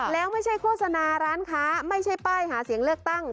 แล้วไม่ใช่โฆษณาร้านค้าไม่ใช่ป้ายหาเสียงเลือกตั้ง